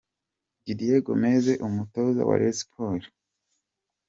Didier Gomes, umutoza wa Rayon Sport.